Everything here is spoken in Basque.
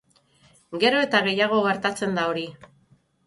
Gero eta gehiago gertatzen da hori.